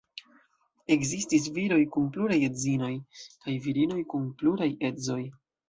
Ekzistis viroj kun pluraj edzinoj, kaj virinoj kun pluraj edzoj.